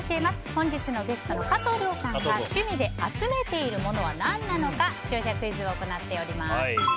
本日のゲストの加藤諒さんが趣味で集めているものは何なのか視聴者クイズを行っております。